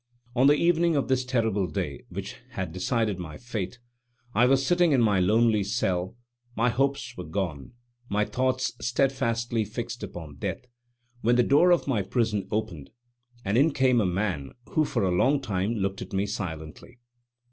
On the evening of this terrible day which had decided my fate, I was sitting in my lonely cell, my hopes were gone, my thoughts steadfastly fixed upon death, when the door of my prison opened, and in came a man, who for a long time looked at me silently.